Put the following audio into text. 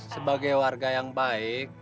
sebagai warga yang baik